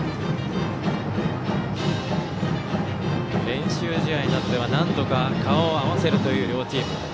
練習試合などでは何度か顔を合わせるという両チーム。